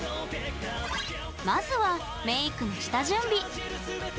まずはメイクの下準備。